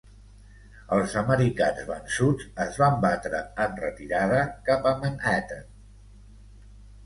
Els americans vençuts es van batre en retirada cap a Manhattan.